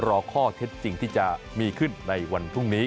รอข้อเท็จจริงที่จะมีขึ้นในวันพรุ่งนี้